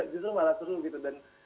justru malah seru gitu